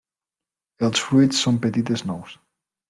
Els fruits són petites nous.